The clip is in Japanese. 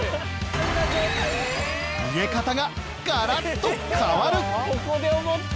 見え方がガラリと変わる！